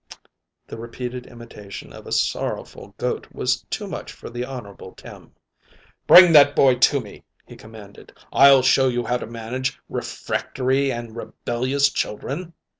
The repeated imitation of a sorrowful goat was too much for the Honorable Tim. "Bring that boy to me," he commanded. "I'll show you how to manage refractory and rebellious children."